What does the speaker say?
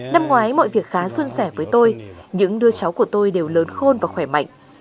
năm ngoái mọi việc khá xuân sẻ với tôi những đứa cháu của tôi đều lớn khôn và khỏe mạnh